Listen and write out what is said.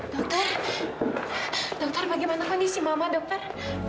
dokter dokter bagaimana kondisi mama dokter